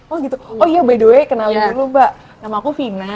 oh gitu oh iya by the way kenalin dulu mbak nama aku vina